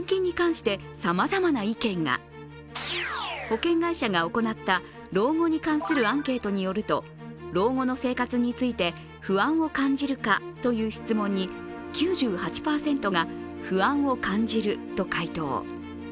保険会社が行った老後に関するアンケートによると老後の生活について不安を感じるかという質問に９８％が不安を感じると回答。